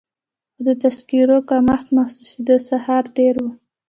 خو د تذکیرو کمښت محسوسېده، کارونه ډېر وو.